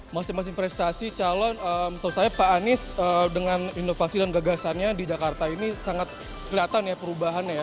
masing masing prestasi calon setahu saya pak anies dengan inovasi dan gagasannya di jakarta ini sangat kelihatan ya perubahannya ya